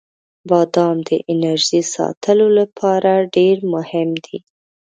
• بادام د انرژۍ ساتلو لپاره ډیر مهم دی.